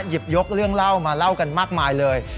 ยกเรื่องเล่ามาเล่ากันมากมายเลย